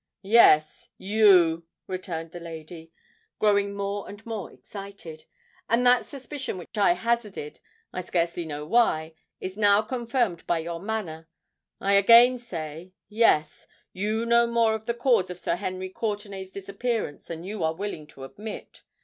"Yes—you," returned the lady, growing more and more excited: "and that suspicion which I hazarded, I scarcely know why, is now confirmed by your manner. I again say, yes—you know more of the cause of Sir Henry Courtenay's disappearance than you are willing to admit.